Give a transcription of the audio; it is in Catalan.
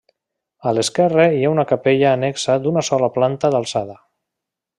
A l'esquerra hi ha una capella annexa d'una sola planta d'alçada.